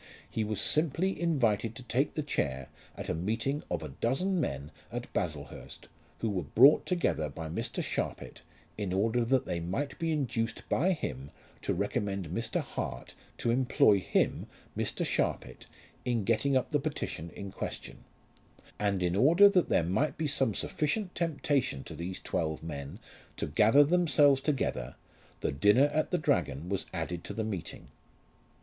He was simply invited to take the chair at a meeting of a dozen men at Baslehurst who were brought together by Mr. Sharpit in order that they might be induced by him to recommend Mr. Hart to employ him, Mr. Sharpit, in getting up the petition in question; and in order that there might be some sufficient temptation to these twelve men to gather themselves together, the dinner at the Dragon was added to the meeting.